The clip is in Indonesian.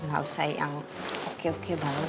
gak usah yang oke oke banget